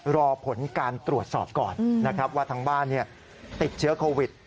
รอผลการตรวจสอบก่อนนะครับว่าทางบ้านติดเชื้อโควิด